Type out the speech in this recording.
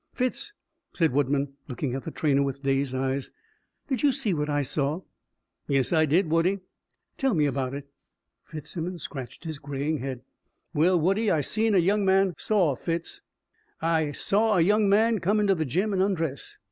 "Fitz," said Woodman, looking at the trainer with dazed eyes, "did you see what I saw?" "Yes, I did, Woodie." "Tell me about it." Fitzsimmons scratched his greying head. "Well, Woodie, I seen a young man " "Saw, Fitz." "I saw a young man come into the gym an' undress.